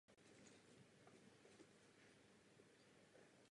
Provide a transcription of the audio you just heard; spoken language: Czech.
Znalosti jsou další důležitou stránkou tvořivosti.